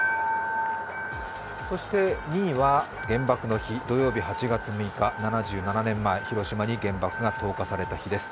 そして２位は原爆の日、土曜日、８月６日、７７年前、広島に原爆が投下された日です。